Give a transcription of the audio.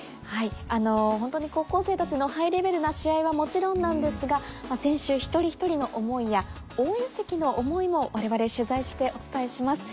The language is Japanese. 高校生たちのハイレベルな試合はもちろんなんですが選手一人一人の思いや応援席の思いも我々取材してお伝えします。